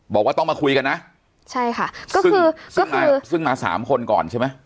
บอกว่าต้องมาคุยกันนะซึ่งมา๓คนก่อนใช่ไหม